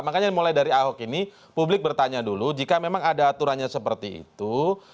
makanya mulai dari ahok ini publik bertanya dulu jika memang ada aturannya seperti itu